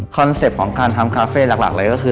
คอนเซ็ปของคารทำคาเฟ่หลักเลยคือ